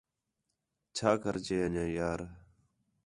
چھا کر جے انڄیاں یار